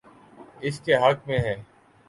اس کے حق میں ہے۔